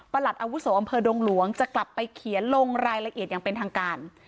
อาวุโสอำเภอดงหลวงจะกลับไปเขียนลงรายละเอียดอย่างเป็นทางการ